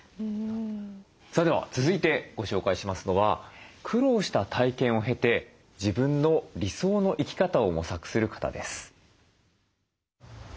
さあでは続いてご紹介しますのは苦労した体験を経て自分の理想の生き方を模索する方です。